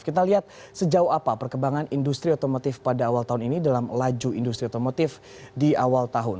kita lihat sejauh apa perkembangan industri otomotif pada awal tahun ini dalam laju industri otomotif di awal tahun